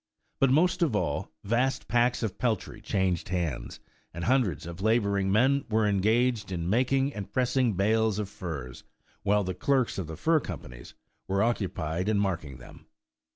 But most of all, vast packs of peltries changed hands, and hun dreds of laboring men were engaged in making and pressing bales of furs, while the clerks of the fur com panies were occupied in marking them.